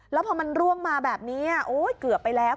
แล้วพอมันร่วงมาแบบนี้โอ๊ยเกือบไปแล้ว